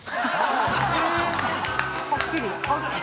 はっきり。